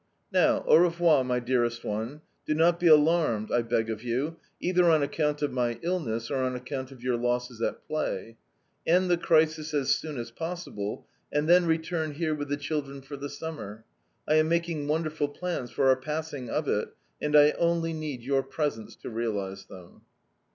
Now, au revoir, my dearest one. Do not be alarmed, I beg of you, either on account of my illness or on account of your losses at play. End the crisis as soon as possible, and then return here with the children for the summer. I am making wonderful plans for our passing of it, and I only need your presence to realise them."